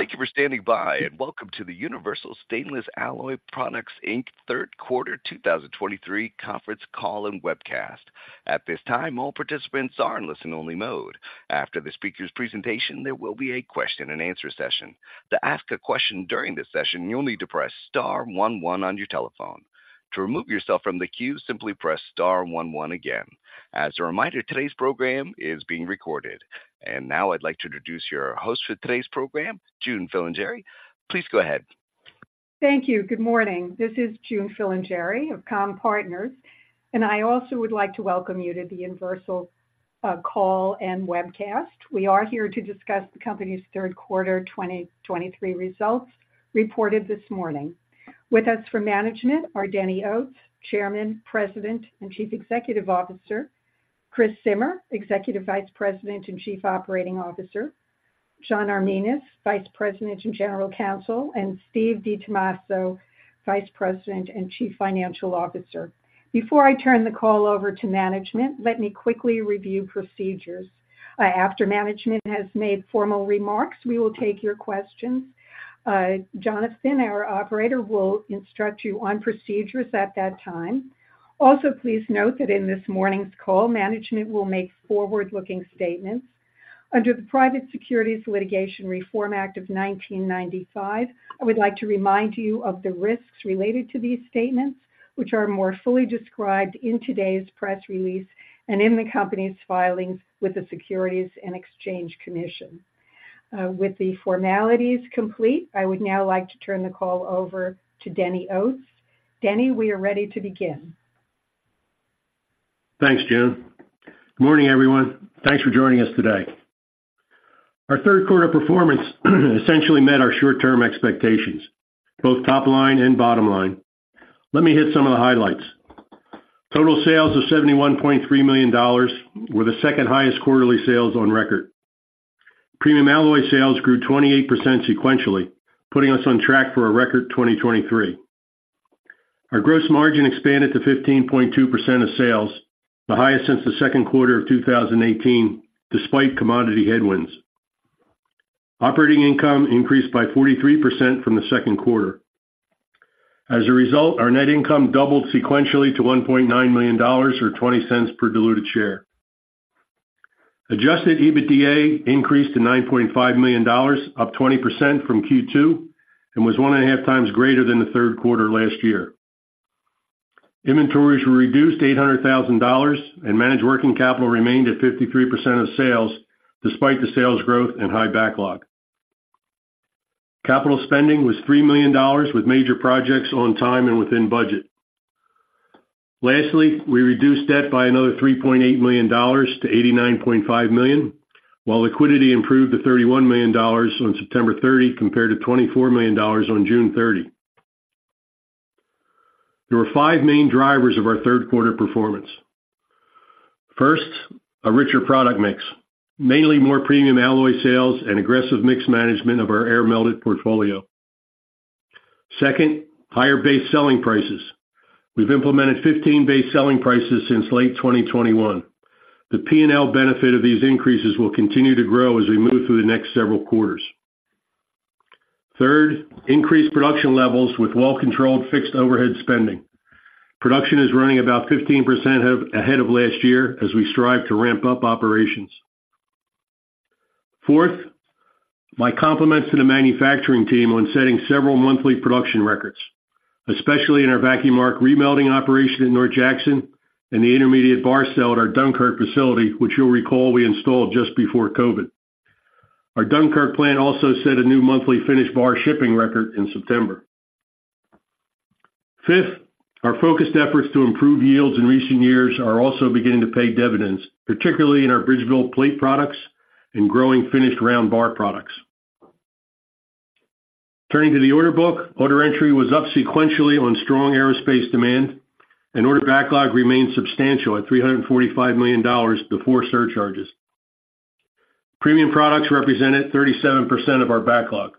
Thank you for standing by, and welcome to the Universal Stainless & Alloy Products, Inc. third quarter 2023 conference call and webcast. At this time, all participants are in listen-only mode. After the speaker's presentation, there will be a question-and-answer session. To ask a question during this session, you'll need to press star one one on your telephone. To remove yourself from the queue, simply press star one one again. As a reminder, today's program is being recorded. Now I'd like to introduce your host for today's program, June Filingeri. Please go ahead. Thank you. Good morning. This is June Filingeri of Comm-Partners, and I also would like to welcome you to the Universal Stainless & Alloy Products call and webcast. We are here to discuss the company's third quarter 2023 results, reported this morning. With us for management are Denny Oates, Chairman, President, and Chief Executive Officer; Chris Zimmer, Executive Vice President and Chief Operating Officer; John Arminas, Vice President and General Counsel; and Steve DiTommaso, Vice President and Chief Financial Officer. Before I turn the call over to management, let me quickly review procedures. After management has made formal remarks, we will take your questions. Jonathan, our operator, will instruct you on procedures at that time. Also, please note that in this morning's call, management will make forward-looking statements. Under the Private Securities Litigation Reform Act of 1995, I would like to remind you of the risks related to these statements, which are more fully described in today's press release and in the company's filings with the Securities and Exchange Commission. With the formalities complete, I would now like to turn the call over to Denny Oates. Denny, we are ready to begin. Thanks, June. Good morning, everyone. Thanks for joining us today. Our third quarter performance essentially met our short-term expectations, both top line and bottom line. Let me hit some of the highlights. Total sales of $71.3 million were the second highest quarterly sales on record. Premium alloy sales grew 28% sequentially, putting us on track for a record 2023. Our gross margin expanded to 15.2% of sales, the highest since the second quarter of 2018, despite commodity headwinds. Operating income increased by 43% from the second quarter. As a result, our net income doubled sequentially to $1.9 million, or $0.20 per diluted share. Adjusted EBITDA increased to $9.5 million, up 20% from Q2, and was 1.5 times greater than the third quarter last year. Inventories were reduced to $800,000, and managed working capital remained at 53% of sales, despite the sales growth and high backlog. Capital spending was $3 million, with major projects on time and within budget. Lastly, we reduced debt by another $3.8 million to $89.5 million, while liquidity improved to $31 million on September 30, compared to $24 million on June 30. There were five main drivers of our third quarter performance. First, a richer product mix, mainly more premium alloy sales and aggressive mix management of our air melted portfolio. Second, higher base selling prices. We've implemented 15 base selling prices since late 2021. The P&L benefit of these increases will continue to grow as we move through the next several quarters. Third, increased production levels with well-controlled fixed overhead spending. Production is running about 15% ahead of last year as we strive to ramp up operations. Fourth, my compliments to the manufacturing team on setting several monthly production records, especially in our vacuum arc remelting operation in North Jackson and the intermediate bar cell at our Dunkirk facility, which you'll recall we installed just before COVID. Our Dunkirk plant also set a new monthly finished bar shipping record in September. Fifth, our focused efforts to improve yields in recent years are also beginning to pay dividends, particularly in our Bridgeville plate products and growing finished round bar products. Turning to the order book, order entry was up sequentially on strong aerospace demand, and order backlog remained substantial at $345 million before surcharges. Premium products represented 37% of our backlog.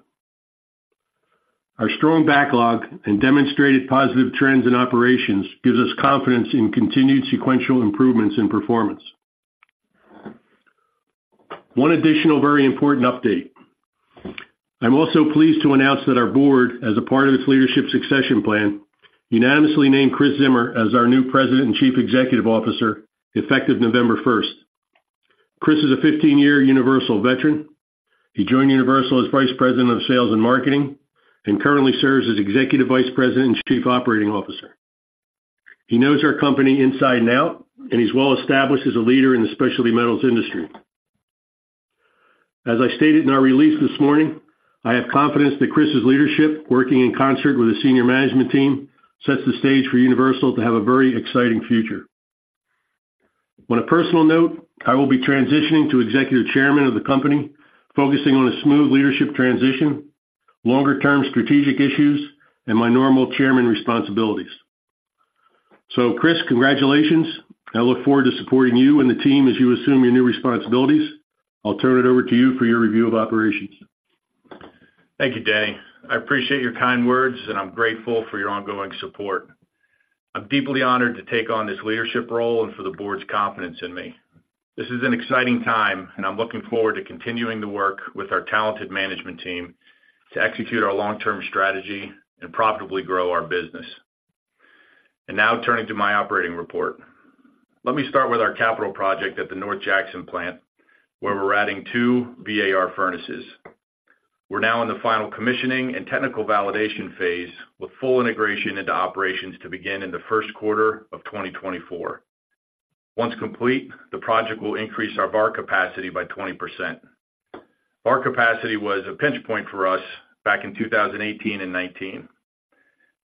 Our strong backlog and demonstrated positive trends in operations gives us confidence in continued sequential improvements in performance. One additional very important update. I'm also pleased to announce that our board, as a part of its leadership succession plan, unanimously named Chris Zimmer as our new President and Chief Executive Officer, effective November first. Chris is a 15-year Universal veteran. He joined Universal as Vice President of Sales and Marketing and currently serves as Executive Vice President and Chief Operating Officer. He knows our company inside and out, and he's well established as a leader in the specialty metals industry. As I stated in our release this morning, I have confidence that Chris's leadership, working in concert with the senior management team, sets the stage for Universal to have a very exciting future. On a personal note, I will be transitioning to Executive Chairman of the company, focusing on a smooth leadership transition, longer-term strategic issues, and my normal chairman responsibilities. So Chris, congratulations. I look forward to supporting you and the team as you assume your new responsibilities. I'll turn it over to you for your review of operations. Thank you, Denny. I appreciate your kind words, and I'm grateful for your ongoing support. ... I'm deeply honored to take on this leadership role and for the board's confidence in me. This is an exciting time, and I'm looking forward to continuing to work with our talented management team to execute our long-term strategy and profitably grow our business. Now turning to my operating report. Let me start with our capital project at the North Jackson plant, where we're adding 2 VAR furnaces. We're now in the final commissioning and technical validation phase, with full integration into operations to begin in the first quarter of 2024. Once complete, the project will increase our VAR capacity by 20%. VAR capacity was a pinch point for us back in 2018 and 2019.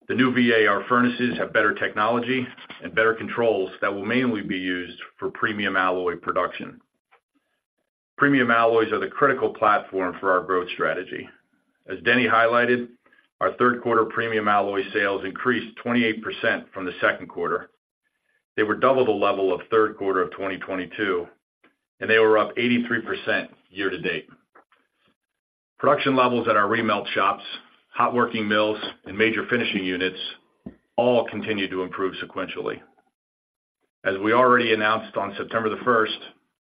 The new VAR furnaces have better technology and better controls that will mainly be used for premium alloy production. Premium alloys are the critical platform for our growth strategy. As Denny highlighted, our third quarter premium alloy sales increased 28% from the second quarter. They were double the level of third quarter of 2022, and they were up 83% year to date. Production levels at our remelt shops, hot working mills, and major finishing units all continue to improve sequentially. As we already announced on September 1,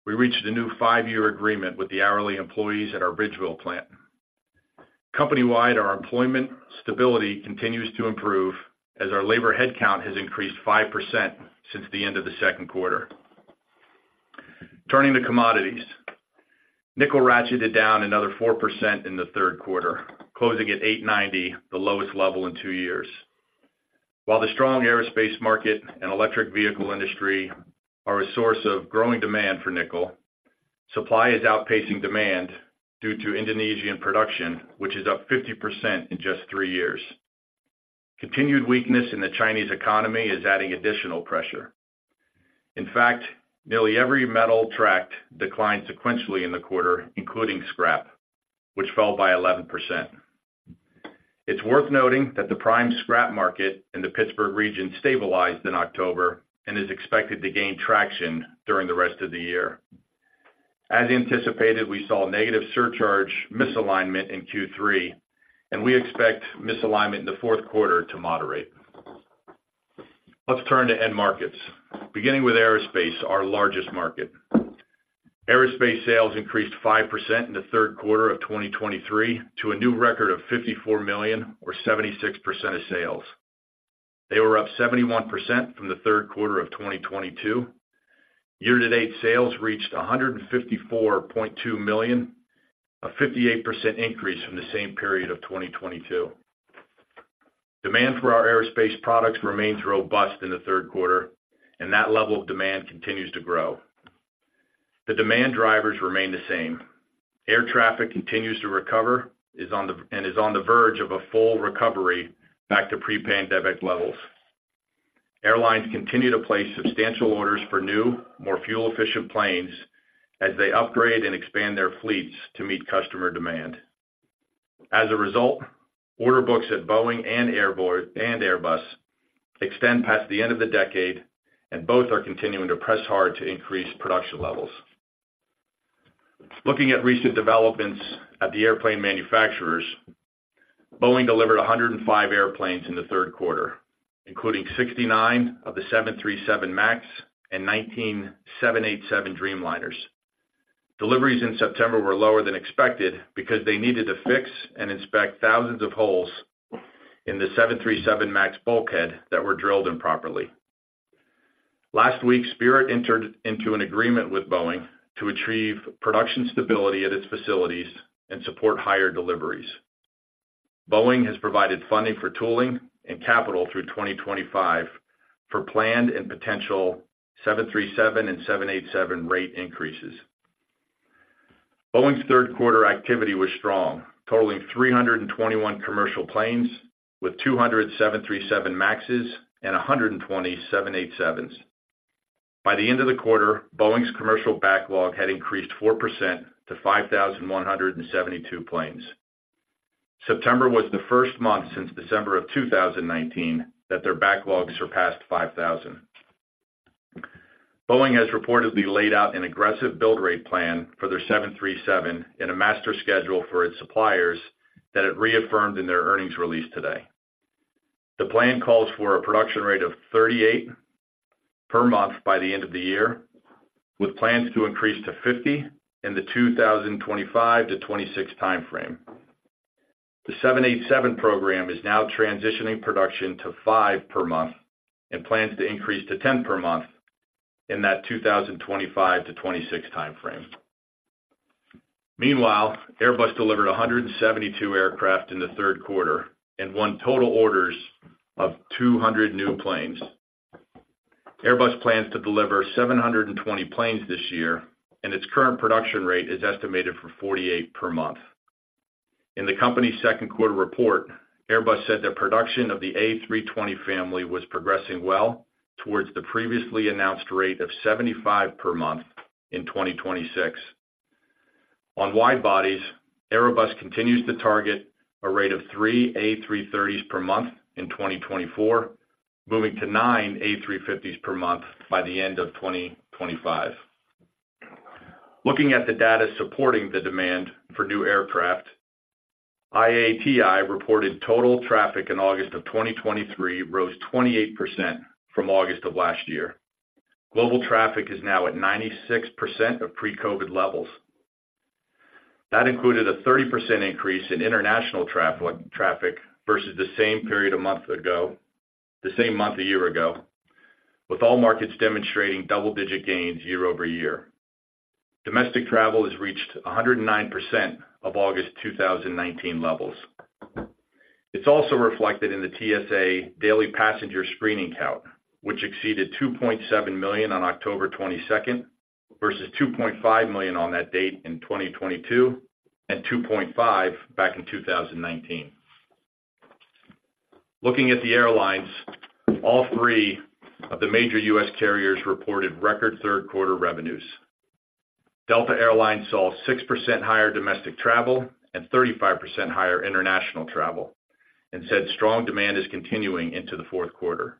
we reached a new 5-year agreement with the hourly employees at our Bridgeville plant. Company-wide, our employment stability continues to improve as our labor headcount has increased 5% since the end of the second quarter. Turning to commodities. Nickel ratcheted down another 4% in the third quarter, closing at $8.90, the lowest level in 2 years. While the strong aerospace market and electric vehicle industry are a source of growing demand for nickel, supply is outpacing demand due to Indonesian production, which is up 50% in just 3 years. Continued weakness in the Chinese economy is adding additional pressure. In fact, nearly every metal tracked declined sequentially in the quarter, including scrap, which fell by 11%. It's worth noting that the prime scrap market in the Pittsburgh region stabilized in October and is expected to gain traction during the rest of the year. As anticipated, we saw negative surcharge misalignment in Q3, and we expect misalignment in the fourth quarter to moderate. Let's turn to end markets. Beginning with aerospace, our largest market. Aerospace sales increased 5% in the third quarter of 2023 to a new record of $54 million, or 76% of sales. They were up 71% from the third quarter of 2022. Year-to-date sales reached $154.2 million, a 58% increase from the same period of 2022. Demand for our aerospace products remains robust in the third quarter, and that level of demand continues to grow. The demand drivers remain the same. Air traffic continues to recover, and is on the verge of a full recovery back to pre-pandemic levels. Airlines continue to place substantial orders for new, more fuel-efficient planes as they upgrade and expand their fleets to meet customer demand. As a result, order books at Boeing and Airbus extend past the end of the decade, and both are continuing to press hard to increase production levels. Looking at recent developments at the airplane manufacturers, Boeing delivered 105 airplanes in the third quarter, including 69 of the 737 MAX and 19 787 Dreamliners. Deliveries in September were lower than expected because they needed to fix and inspect thousands of holes in the 737 MAX bulkhead that were drilled improperly. Last week, Spirit entered into an agreement with Boeing to achieve production stability at its facilities and support higher deliveries. Boeing has provided funding for tooling and capital through 2025 for planned and potential 737 and 787 rate increases. Boeing's third quarter activity was strong, totaling 321 commercial planes, with 200 737 MAXes and 120 787s. By the end of the quarter, Boeing's commercial backlog had increased 4% to 5,172 planes. September was the first month since December of 2019 that their backlog surpassed 5,000. Boeing has reportedly laid out an aggressive build rate plan for their 737 in a master schedule for its suppliers that it reaffirmed in their earnings release today. The plan calls for a production rate of 38 per month by the end of the year, with plans to increase to 50 in the 2025-2026 time frame. The 787 program is now transitioning production to 5 per month and plans to increase to 10 per month in that 2025-2026 time frame. Meanwhile, Airbus delivered 172 aircraft in the third quarter and won total orders of 200 new planes. Airbus plans to deliver 720 planes this year, and its current production rate is estimated for 48 per month. In the company's second quarter report, Airbus said that production of the A320 family was progressing well towards the previously announced rate of 75 per month in 2026. On wide bodies, Airbus continues to target a rate of 3 A330s per month in 2024, moving to 9 A350s per month by the end of 2025. Looking at the data supporting the demand for new aircraft, IATA reported total traffic in August of 2023 rose 28% from August of last year. Global traffic is now at 96% of pre-COVID levels. That included a 30% increase in international traffic versus the same period a month ago—the same month a year ago, with all markets demonstrating double-digit gains year-over-year. Domestic travel has reached 109% of August 2019 levels. It's also reflected in the TSA daily passenger screening count, which exceeded 2.7 million on October 22, versus 2.5 million on that date in 2022, and 2.5 million back in 2019. Looking at the airlines, all three of the major U.S. carriers reported record third quarter revenues. Delta Air Lines saw 6% higher domestic travel and 35% higher international travel, and said, strong demand is continuing into the fourth quarter.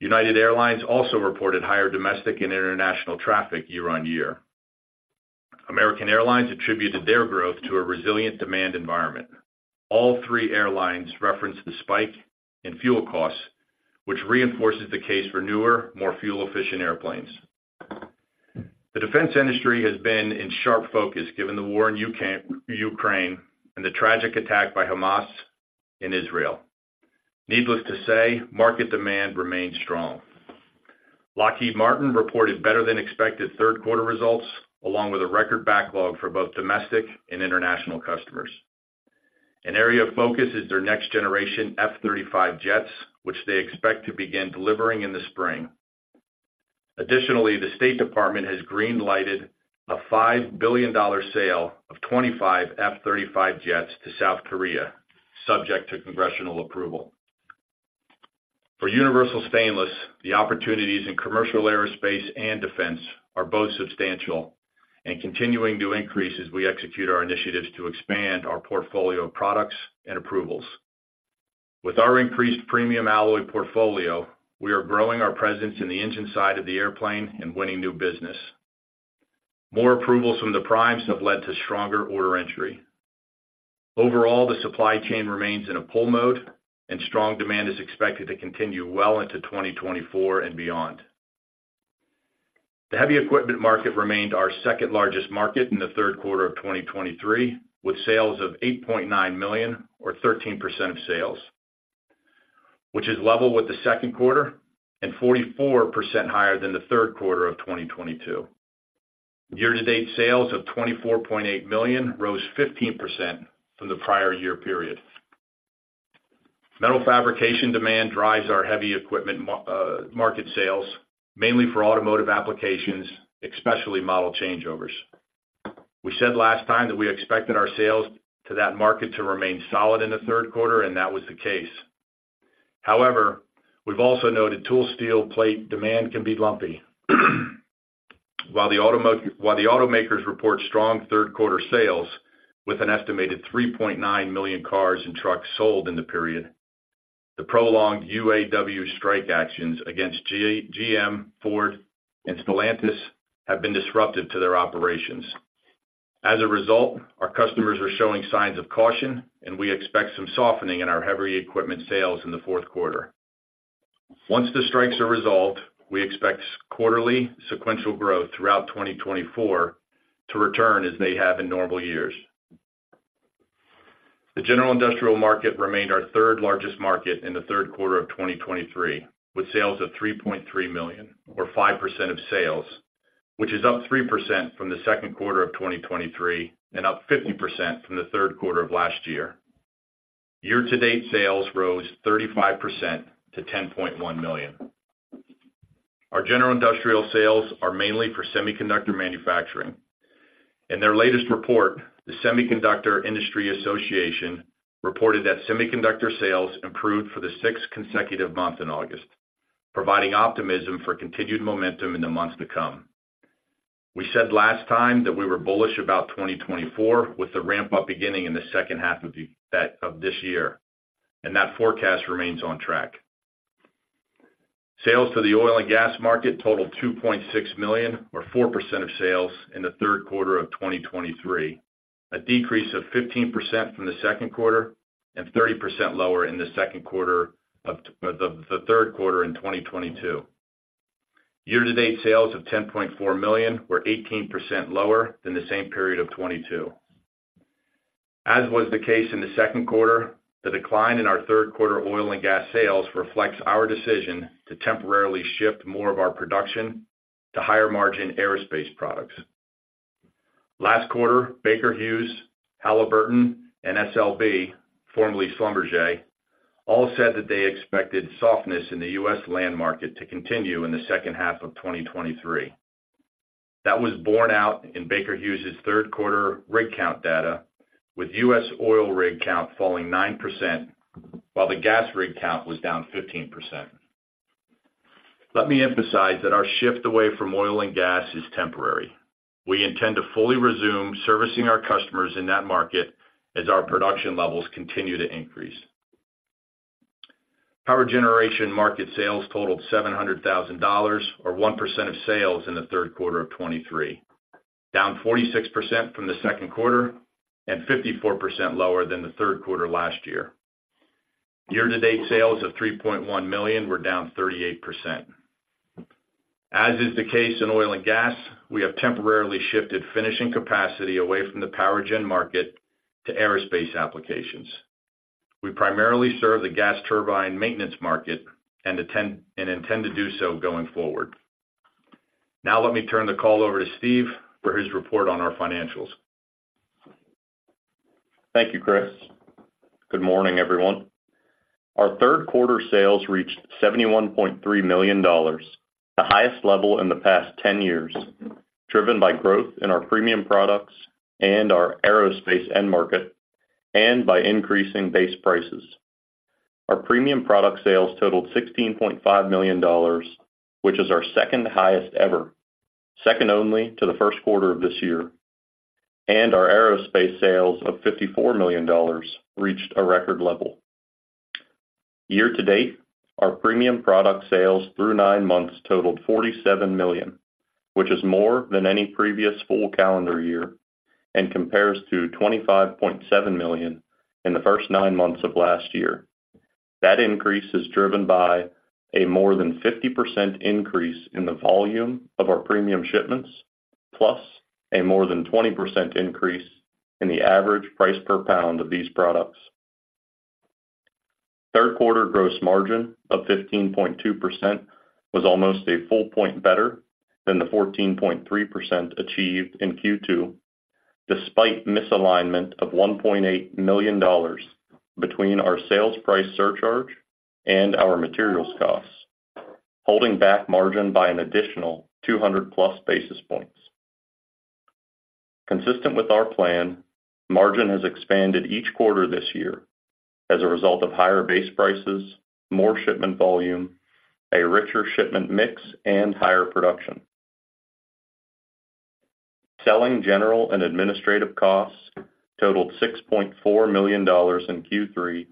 United Airlines also reported higher domestic and international traffic year-on-year. American Airlines attributed their growth to a resilient demand environment. All three airlines referenced the spike in fuel costs, which reinforces the case for newer, more fuel-efficient airplanes. The defense industry has been in sharp focus given the war in Ukraine and the tragic attack by Hamas in Israel. Needless to say, market demand remains strong. Lockheed Martin reported better than expected third quarter results, along with a record backlog for both domestic and international customers. An area of focus is their next generation F-35 jets, which they expect to begin delivering in the spring. Additionally, the State Department has green lighted a $5 billion sale of 25 F-35 jets to South Korea, subject to congressional approval. For Universal Stainless, the opportunities in commercial aerospace and defense are both substantial and continuing to increase as we execute our initiatives to expand our portfolio of products and approvals. With our increased premium alloy portfolio, we are growing our presence in the engine side of the airplane and winning new business. More approvals from the primes have led to stronger order entry. Overall, the supply chain remains in a pull mode, and strong demand is expected to continue well into 2024 and beyond. The heavy equipment market remained our second-largest market in the third quarter of 2023, with sales of $8.9 million or 13% of sales, which is level with the second quarter and 44% higher than the third quarter of 2022. Year-to-date sales of $24.8 million rose 15% from the prior year period. Metal fabrication demand drives our heavy equipment market sales, mainly for automotive applications, especially model changeovers. We said last time that we expected our sales to that market to remain solid in the third quarter, and that was the case. However, we've also noted tool steel plate demand can be lumpy. While the automakers report strong third quarter sales with an estimated 3.9 million cars and trucks sold in the period, the prolonged UAW strike actions against GM, Ford, and Stellantis have been disruptive to their operations. As a result, our customers are showing signs of caution, and we expect some softening in our heavy equipment sales in the fourth quarter. Once the strikes are resolved, we expect quarterly sequential growth throughout 2024 to return as they have in normal years. The general industrial market remained our third-largest market in the third quarter of 2023, with sales of $3.3 million or 5% of sales, which is up 3% from the second quarter of 2023 and up 50% from the third quarter of last year. Year-to-date sales rose 35% to $10.1 million. Our general industrial sales are mainly for semiconductor manufacturing. In their latest report, the Semiconductor Industry Association reported that semiconductor sales improved for the sixth consecutive month in August, providing optimism for continued momentum in the months to come. We said last time that we were bullish about 2024, with the ramp-up beginning in the second half of the of this year, and that forecast remains on track. Sales to the oil and gas market totaled $2.6 million or 4% of sales in the third quarter of 2023, a decrease of 15% from the second quarter and 30% lower than the third quarter of 2022. Year-to-date sales of $10.4 million were 18% lower than the same period of 2022. As was the case in the second quarter, the decline in our third quarter oil and gas sales reflects our decision to temporarily shift more of our production to higher-margin aerospace products. Last quarter, Baker Hughes, Halliburton, and SLB, formerly Schlumberger, all said that they expected softness in the U.S. land market to continue in the second half of 2023. That was borne out in Baker Hughes's third quarter rig count data, with U.S. oil rig count falling 9%, while the gas rig count was down 15%. Let me emphasize that our shift away from oil and gas is temporary. We intend to fully resume servicing our customers in that market as our production levels continue to increase. Power generation market sales totaled $700,000, or 1% of sales in the third quarter of 2023, down 46% from the second quarter and 54% lower than the third quarter last year. Year-to-date sales of $3.1 million were down 38%. As is the case in oil and gas, we have temporarily shifted finishing capacity away from the power gen market to aerospace applications. We primarily serve the gas turbine maintenance market and intend to do so going forward. Now let me turn the call over to Steve for his report on our financials. Thank you, Chris. Good morning, everyone. Our third quarter sales reached $71.3 million, the highest level in the past 10 years, driven by growth in our premium products and our aerospace end market, and by increasing base prices. Our premium product sales totaled $16.5 million, which is our second-highest ever, second only to the first quarter of this year, and our aerospace sales of $54 million reached a record level. Year-to-date, our premium product sales through 9 months totaled $47 million, which is more than any previous full calendar year and compares to $25.7 million in the first 9 months of last year. That increase is driven by a more than 50% increase in the volume of our premium shipments, plus a more than 20% increase in the average price per pound of these products. Third quarter gross margin of 15.2% was almost a full point better than the 14.3% achieved in Q2, despite misalignment of $1.8 million between our sales price surcharge and our materials costs, holding back margin by an additional 200+ basis points. Consistent with our plan, margin has expanded each quarter this year as a result of higher base prices, more shipment volume, a richer shipment mix, and higher production. Selling, general, and administrative costs totaled $6.4 million in Q3,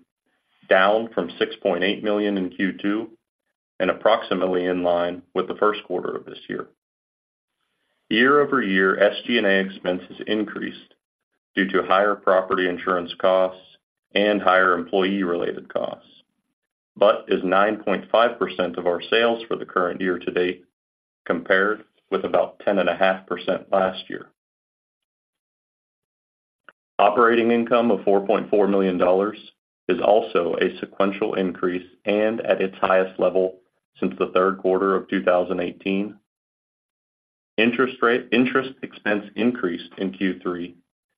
down from $6.8 million in Q2, and approximately in line with the first quarter of this year. Year-over-year, SG&A expenses increased due to higher property insurance costs and higher employee-related costs, but is 9.5% of our sales for the current year to date, compared with about 10.5% last year. Operating income of $4.4 million is also a sequential increase and at its highest level since the third quarter of 2018. Interest expense increased in Q3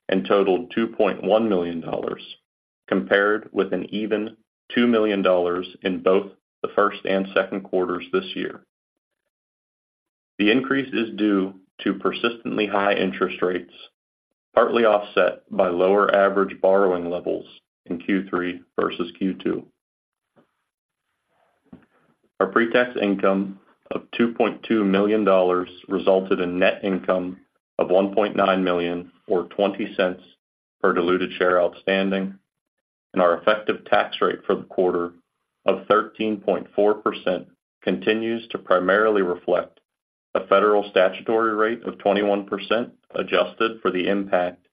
and totaled $2.1 million, compared with an even $2 million in both the first and second quarters this year. The increase is due to persistently high interest rates, partly offset by lower average borrowing levels in Q3 versus Q2. Our pre-tax income of $2.2 million resulted in net income of $1.9 million, or $0.20 per diluted share outstanding, and our effective tax rate for the quarter of 13.4% continues to primarily reflect a federal statutory rate of 21%, adjusted for the impact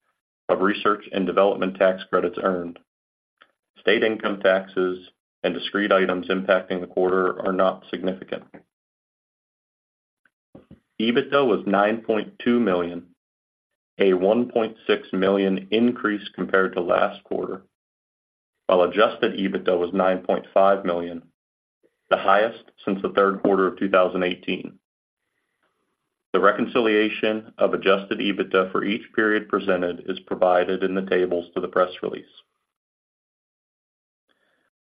of research and development tax credits earned. State income taxes and discrete items impacting the quarter are not significant. EBITDA was $9.2 million, a $1.6 million increase compared to last quarter, while adjusted EBITDA was $9.5 million, the highest since the third quarter of 2018. The reconciliation of adjusted EBITDA for each period presented is provided in the tables to the press release.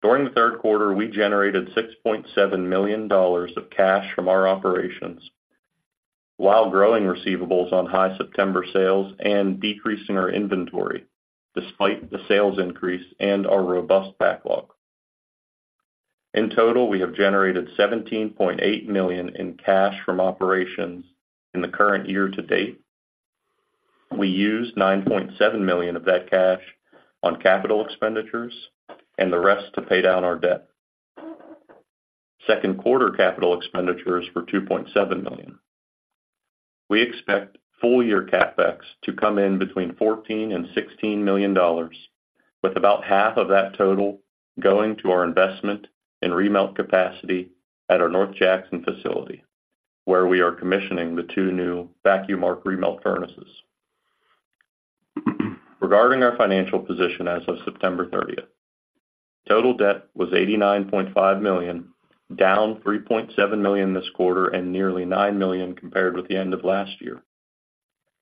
During the third quarter, we generated $6.7 million of cash from our operations while growing receivables on high September sales and decreasing our inventory despite the sales increase and our robust backlog. In total, we have generated $17.8 million in cash from operations in the current year to date. We used $9.7 million of that cash on capital expenditures and the rest to pay down our debt. Second quarter capital expenditures were $2.7 million. We expect full-year CapEx to come in between $14 million and $16 million, with about half of that total going to our investment in remelt capacity at our North Jackson facility, where we are commissioning the two new vacuum arc remelt furnaces. Regarding our financial position as of September 30, total debt was $89.5 million, down $3.7 million this quarter and nearly $9 million compared with the end of last year.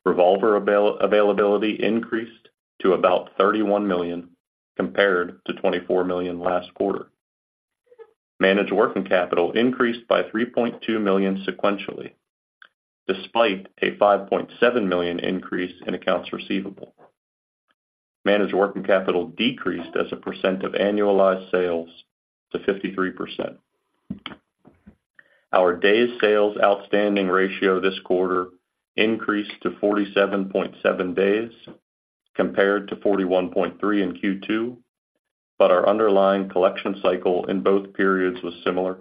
Revolver availability increased to about $31 million, compared to $24 million last quarter. Managed working capital increased by $3.2 million sequentially, despite a $5.7 million increase in accounts receivable. Managed working capital decreased as a percent of annualized sales to 53%.... Our days sales outstanding ratio this quarter increased to 47.7 days, compared to 41.3 in Q2, but our underlying collection cycle in both periods was similar.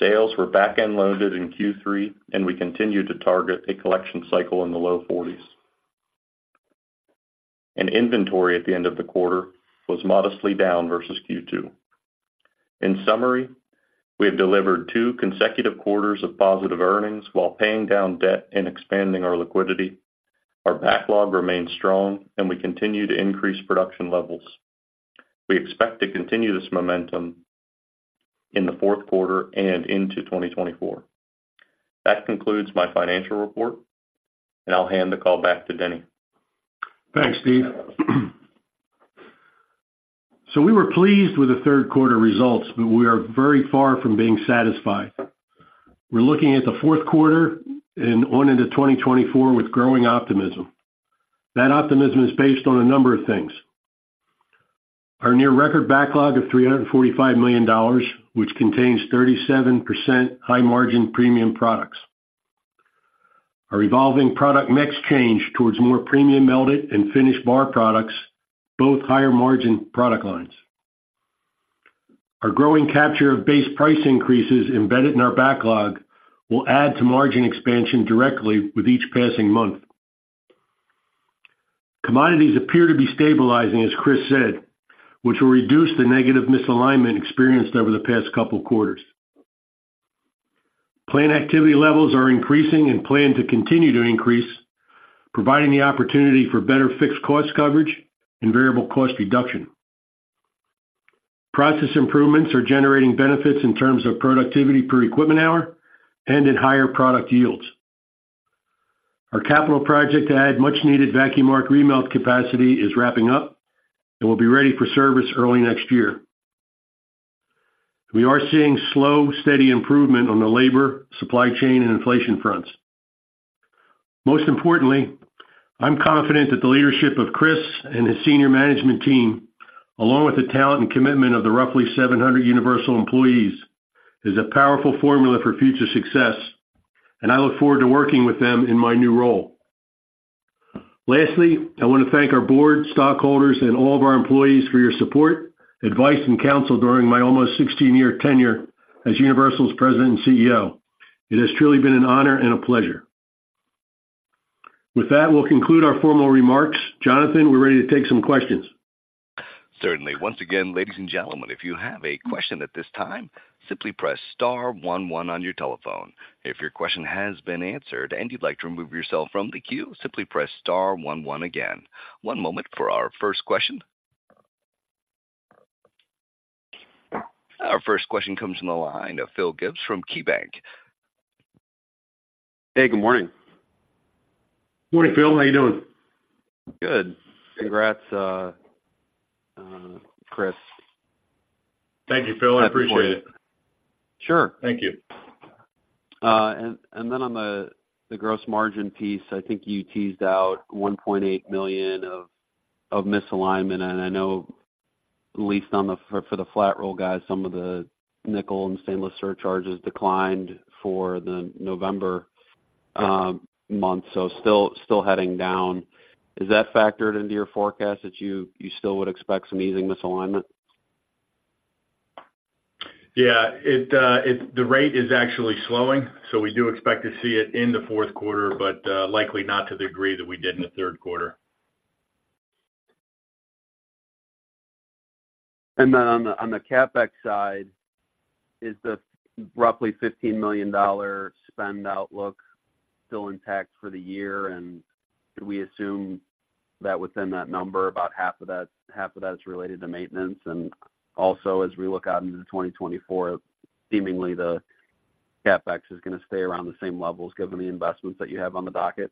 Sales were back-end loaded in Q3, and we continued to target a collection cycle in the low 40s. Inventory at the end of the quarter was modestly down versus Q2. In summary, we have delivered two consecutive quarters of positive earnings while paying down debt and expanding our liquidity. Our backlog remains strong, and we continue to increase production levels. We expect to continue this momentum in the fourth quarter and into 2024. That concludes my financial report, and I'll hand the call back to Denny. Thanks, Steve. We were pleased with the third quarter results, but we are very far from being satisfied. We're looking at the fourth quarter and on into 2024 with growing optimism. That optimism is based on a number of things. Our near record backlog of $345 million, which contains 37% high-margin premium products. Our evolving product mix change towards more premium melted and finished bar products, both higher margin product lines. Our growing capture of base price increases embedded in our backlog will add to margin expansion directly with each passing month. Commodities appear to be stabilizing, as Chris said, which will reduce the negative misalignment experienced over the past couple of quarters. Plant activity levels are increasing and plan to continue to increase, providing the opportunity for better fixed cost coverage and variable cost reduction. Process improvements are generating benefits in terms of productivity per equipment hour and in higher product yields. Our capital project to add much-needed vacuum arc remelt capacity is wrapping up and will be ready for service early next year. We are seeing slow, steady improvement on the labor, supply chain, and inflation fronts. Most importantly, I'm confident that the leadership of Chris and his senior management team, along with the talent and commitment of the roughly 700 Universal employees, is a powerful formula for future success, and I look forward to working with them in my new role. Lastly, I want to thank our board, stockholders, and all of our employees for your support, advice, and counsel during my almost sixteen-year tenure as Universal's President and CEO. It has truly been an honor and a pleasure. With that, we'll conclude our formal remarks. Jonathan, we're ready to take some questions. Certainly. Once again, ladies and gentlemen, if you have a question at this time, simply press star one one on your telephone. If your question has been answered and you'd like to remove yourself from the queue, simply press star one one again. One moment for our first question. Our first question comes from the line of Phil Gibbs from KeyBanc. Hey, good morning. Morning, Phil. How you doing? Good. Congrats, Chris. Thank you, Phil. I appreciate it. Sure. Thank you. And then on the gross margin piece, I think you teased out $1.8 million of misalignment, and I know at least on the—for the flat roll guys, some of the nickel and stainless surcharges declined for the November month, so still heading down. Is that factored into your forecast, that you still would expect some easing misalignment? Yeah, the rate is actually slowing, so we do expect to see it in the fourth quarter, but likely not to the degree that we did in the third quarter. And then on the, on the CapEx side, is the roughly $15 million spend outlook still intact for the year? And should we assume that within that number, about half of that, half of that is related to maintenance? And also, as we look out into 2024, seemingly the CapEx is going to stay around the same levels, given the investments that you have on the docket.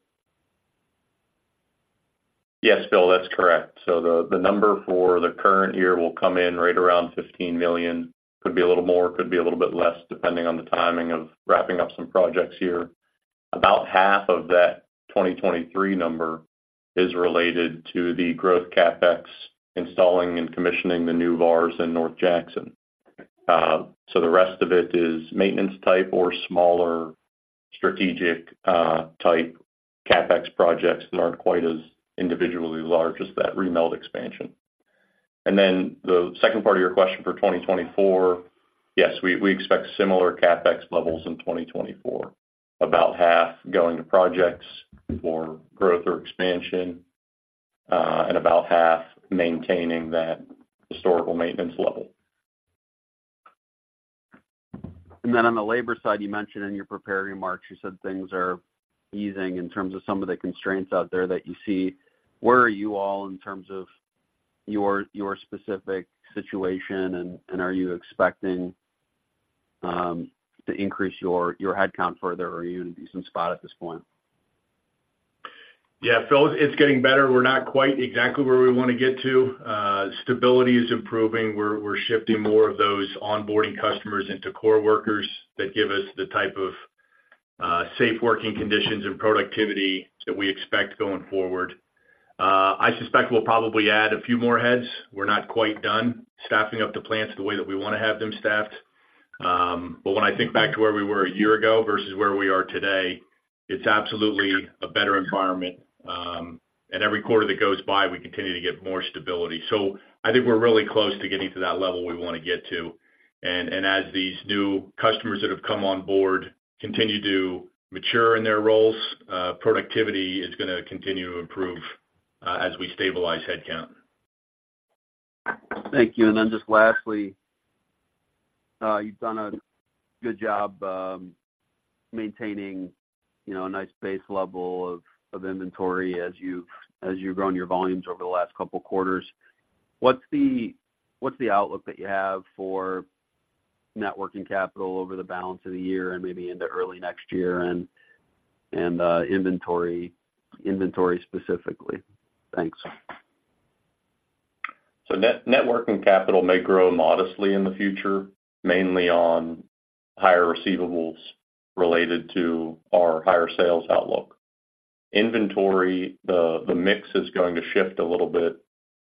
Yes, Phil, that's correct. So the number for the current year will come in right around $15 million. Could be a little more, could be a little bit less, depending on the timing of wrapping up some projects here. About half of that 2023 number is related to the growth CapEx, installing and commissioning the new VARs in North Jackson. So the rest of it is maintenance type or smaller strategic type CapEx projects that aren't quite as individually large as that remelt expansion. And then the second part of your question for 2024, yes, we expect similar CapEx levels in 2024, about half going to projects for growth or expansion, and about half maintaining that historical maintenance level. And then on the labor side, you mentioned in your prepared remarks, you said things are easing in terms of some of the constraints out there that you see. Where are you all in terms of your specific situation? And are you expecting to increase your headcount further, or are you in a decent spot at this point? Yeah, Phil, it's getting better. We're not quite exactly where we want to get to. Stability is improving. We're shifting more of those onboarding customers into core workers that give us the type of...... safe working conditions and productivity that we expect going forward. I suspect we'll probably add a few more heads. We're not quite done staffing up the plants the way that we want to have them staffed. But when I think back to where we were a year ago versus where we are today, it's absolutely a better environment. And every quarter that goes by, we continue to get more stability. So I think we're really close to getting to that level we want to get to, and, and as these new customers that have come on board continue to mature in their roles, productivity is going to continue to improve, as we stabilize headcount. Thank you. And then just lastly, you've done a good job maintaining, you know, a nice base level of inventory as you've grown your volumes over the last couple of quarters. What's the outlook that you have for net working capital over the balance of the year and maybe into early next year and, inventory specifically? Thanks. So net-net working capital may grow modestly in the future, mainly on higher receivables related to our higher sales outlook. Inventory, the mix is going to shift a little bit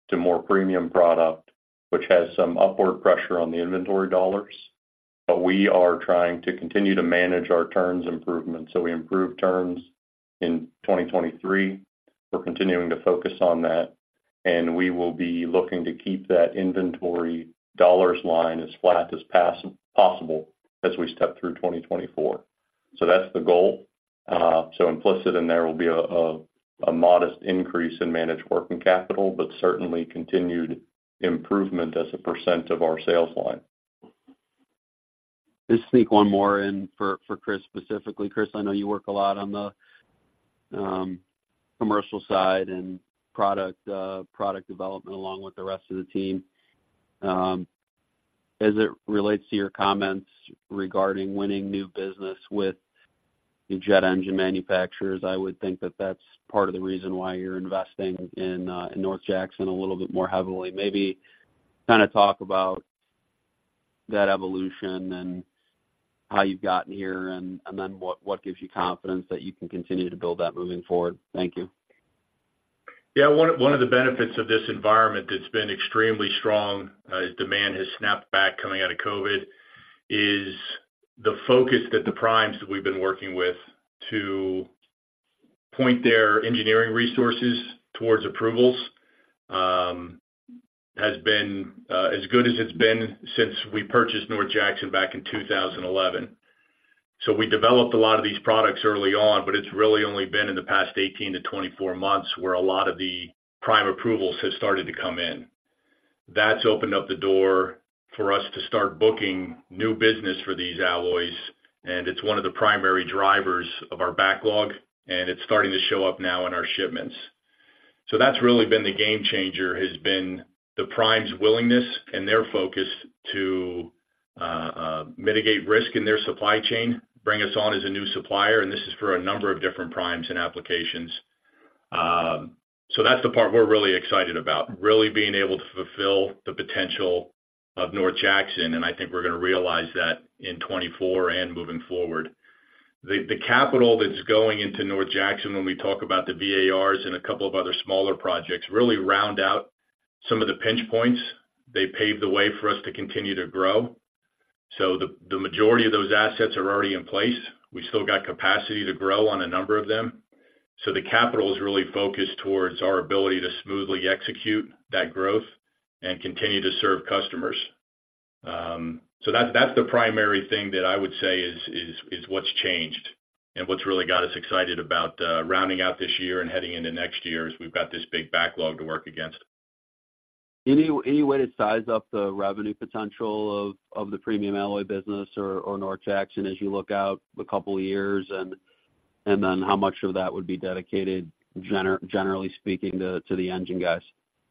to more premium product, which has some upward pressure on the inventory dollars, but we are trying to continue to manage our terms improvement. So we improved terms in 2023. We're continuing to focus on that, and we will be looking to keep that inventory dollars line as flat as possible as we step through 2024. So that's the goal. So implicit in there will be a modest increase in managed working capital, but certainly continued improvement as a % of our sales line. Just sneak one more in for, for Chris, specifically. Chris, I know you work a lot on the, commercial side and product, product development, along with the rest of the team. As it relates to your comments regarding winning new business with the jet engine manufacturers, I would think that that's part of the reason why you're investing in, in North Jackson a little bit more heavily. Maybe kind of talk about that evolution and how you've gotten here, and, and then what, what gives you confidence that you can continue to build that moving forward? Thank you. Yeah. One of, one of the benefits of this environment that's been extremely strong, as demand has snapped back coming out of COVID, is the focus that the primes that we've been working with to point their engineering resources towards approvals, has been, as good as it's been since we purchased North Jackson back in 2011. So we developed a lot of these products early on, but it's really only been in the past 18-24 months where a lot of the prime approvals have started to come in. That's opened up the door for us to start booking new business for these alloys, and it's one of the primary drivers of our backlog, and it's starting to show up now in our shipments. So that's really been the game changer, has been the prime's willingness and their focus to mitigate risk in their supply chain, bring us on as a new supplier, and this is for a number of different primes and applications. So that's the part we're really excited about, really being able to fulfill the potential of North Jackson, and I think we're going to realize that in 2024 and moving forward. The capital that's going into North Jackson when we talk about the VARs and a couple of other smaller projects really round out some of the pinch points. They pave the way for us to continue to grow. So the majority of those assets are already in place. We've still got capacity to grow on a number of them. So the capital is really focused toward our ability to smoothly execute that growth and continue to serve customers. So that's the primary thing that I would say is what's changed and what's really got us excited about rounding out this year and heading into next year, is we've got this big backlog to work against. Any way to size up the revenue potential of the premium alloy business or North Jackson as you look out a couple of years? And then how much of that would be dedicated, generally speaking, to the engine guys?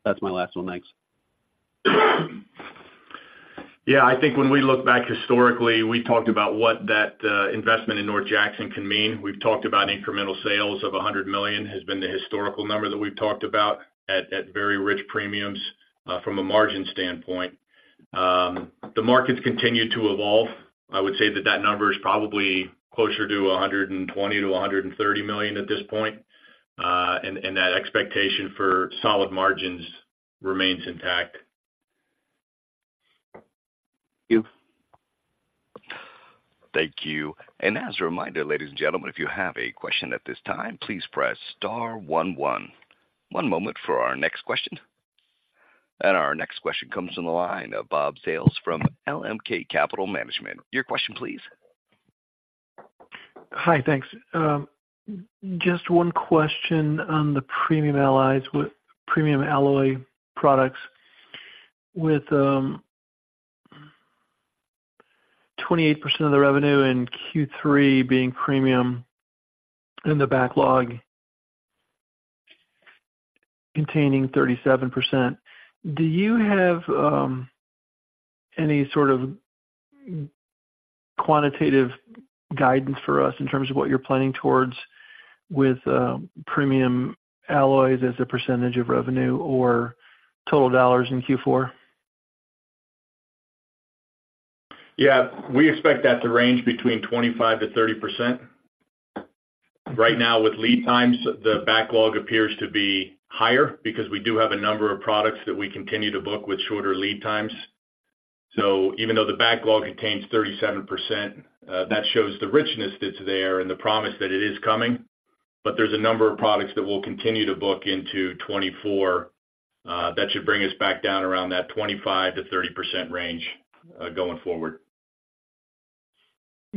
That's my last one. Thanks. Yeah, I think when we look back historically, we talked about what that, investment in North Jackson can mean. We've talked about incremental sales of $100 million, has been the historical number that we've talked about at, at very rich premiums, from a margin standpoint. The market's continued to evolve. I would say that that number is probably closer to $120 million-$130 million at this point, and, and that expectation for solid margins remains intact. Thank you. Thank you. As a reminder, ladies and gentlemen, if you have a question at this time, please press star one, one. One moment for our next question. Our next question comes from the line of Robert Sales from LMK Capital Management. Your question, please. Hi, thanks. Just one question on the premium alloys with premium alloy products. With, twenty-eight percent of the revenue in Q3 being premium and the backlog containing thirty-seven percent, do you have, any sort of quantitative guidance for us in terms of what you're planning towards with, premium alloys as a percentage of revenue or total dollars in Q4?... Yeah, we expect that to range between 25%-30%. Right now, with lead times, the backlog appears to be higher because we do have a number of products that we continue to book with shorter lead times. So even though the backlog contains 37%, that shows the richness that's there and the promise that it is coming. But there's a number of products that we'll continue to book into 2024, that should bring us back down around that 25%-30% range, going forward.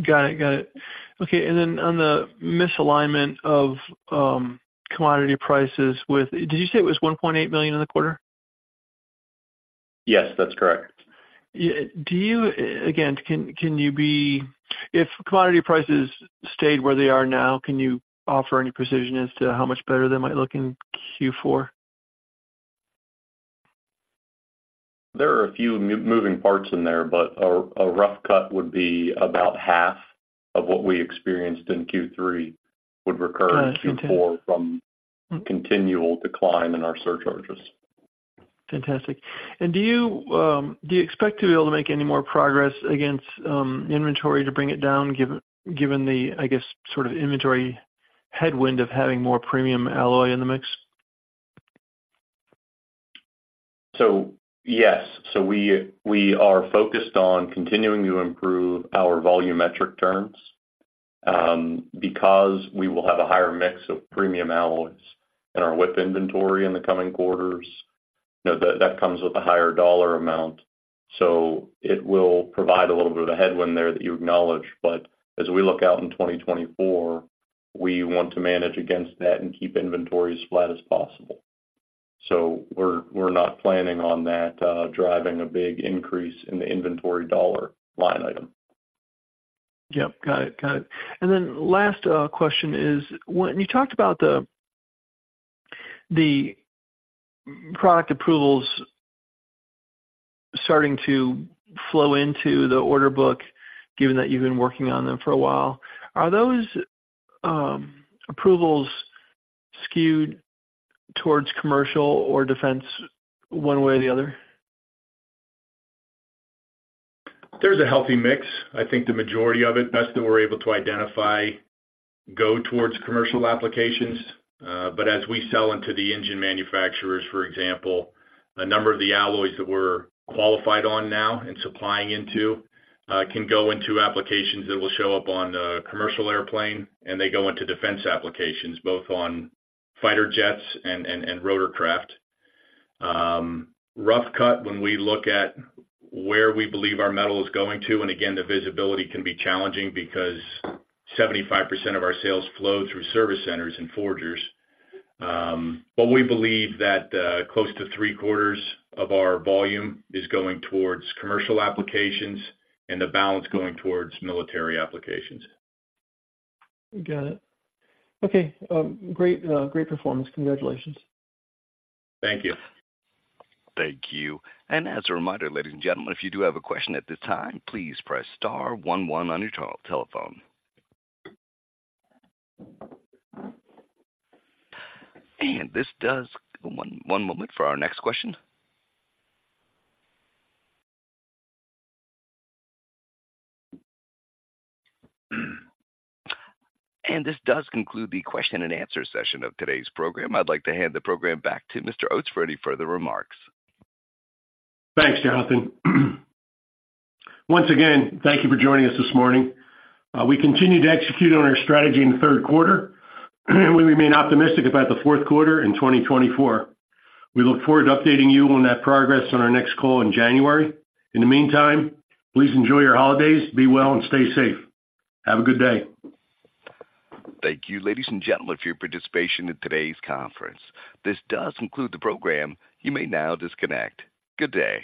Got it. Got it. Okay, and then on the misalignment of commodity prices with, did you say it was $1.8 million in the quarter? Yes, that's correct. Do you, again, if commodity prices stayed where they are now, can you offer any precision as to how much better they might look in Q4? There are a few moving parts in there, but a rough cut would be about half of what we experienced in Q3 would recur- Got it. Okay. Q4 from continual decline in our surcharges. Fantastic. Do you, do you expect to be able to make any more progress against inventory to bring it down, given the, I guess, sort of inventory headwind of having more premium alloy in the mix? So, yes. So we, we are focused on continuing to improve our volumetric terms, because we will have a higher mix of premium alloys in our WIP inventory in the coming quarters. You know, that, that comes with a higher dollar amount, so it will provide a little bit of a headwind there that you acknowledge. But as we look out in 2024, we want to manage against that and keep inventory as flat as possible. So we're, we're not planning on that, driving a big increase in the inventory dollar line item. Yep. Got it. Got it. Last question is, when you talked about the product approvals starting to flow into the order book, given that you've been working on them for a while, are those approvals skewed towards commercial or defense one way or the other? There's a healthy mix. I think the majority of it, best that we're able to identify, go towards commercial applications. But as we sell into the engine manufacturers, for example, a number of the alloys that we're qualified on now and supplying into, can go into applications that will show up on a commercial airplane, and they go into defense applications, both on fighter jets and rotorcraft. Rough cut, when we look at where we believe our metal is going to, and again, the visibility can be challenging because 75% of our sales flow through service centers and forgers. But we believe that, close to three-quarters of our volume is going towards commercial applications and the balance going towards military applications. Got it. Okay, great, great performance. Congratulations. Thank you. Thank you. And as a reminder, ladies and gentlemen, if you do have a question at this time, please press star one one on your telephone. One moment for our next question. And this does conclude the question and answer session of today's program. I'd like to hand the program back to Mr. Oates for any further remarks. Thanks, Jonathan. Once again, thank you for joining us this morning. We continue to execute on our strategy in the third quarter, and we remain optimistic about the fourth quarter in 2024. We look forward to updating you on that progress on our next call in January. In the meantime, please enjoy your holidays, be well and stay safe. Have a good day. Thank you, ladies and gentlemen, for your participation in today's conference. This does conclude the program. You may now disconnect. Good day.